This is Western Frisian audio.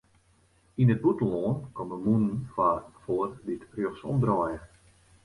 Yn it bûtenlân komme mûnen foar dy't rjochtsom draaie.